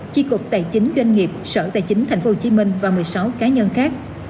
chi cục tài chính doanh nghiệp sở tài chính tp hcm và một mươi sáu cá nhân khác